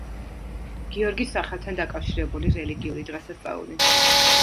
გიორგის სახელთან დაკავშირებული რელიგიური დღესასწაული.